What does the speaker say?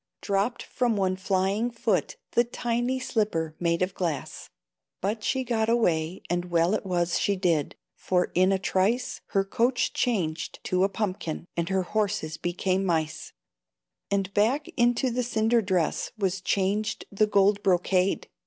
Dropped from one flying foot the tiny Slipper made of glass; But she got away, and well it was She did, for in a trice Her coach changed to a pumpkin, And her horses became mice; And back into the cinder dress Was changed the gold brocade!